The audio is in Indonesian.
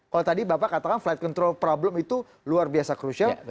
kalau tadi bapak katakan flight control problem itu luar biasa krusial